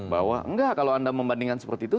bahwa enggak kalau anda membandingkan seperti itu